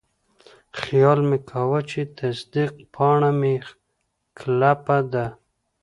خیال مې کاوه چې تصدیق پاڼه مې کلپه ده.